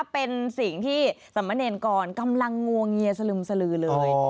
เป็นสิ่งที่สมเนรกรกำลังงวงเงียสลึมสลือเลย